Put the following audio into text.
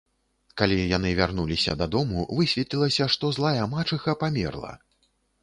Калі яны вярнуліся да дому, высветлілася, што злая мачыха памерла.